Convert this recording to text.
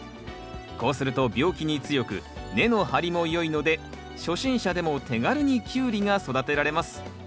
こうすると病気に強く根の張りもよいので初心者でも手軽にキュウリが育てられます。